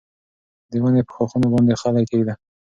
د ونې په ښاخونو باندې خلی کېږده.